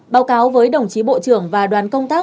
báo cáo với đồng chí bộ trưởng và đoàn công tác